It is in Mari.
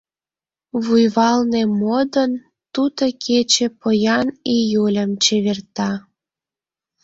Вуйвалне модын, туто кече Поян июльым чеверта.